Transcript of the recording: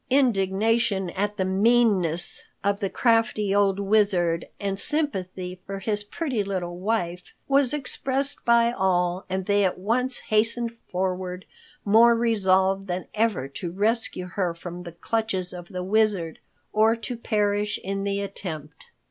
Indignation at the meanness of the crafty old Wizard and sympathy for his pretty little wife was expressed by all, and they at once hastened forward, more resolved than ever to rescue her from the clutches of the Wizard, or to perish in the attempt.